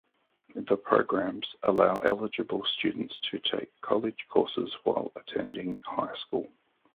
The programs allow eligible students to take college courses while attending high school.